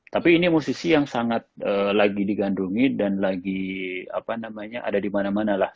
tapi ini musisi yang sangat lagi digandungi dan lagi ada dimana mana lah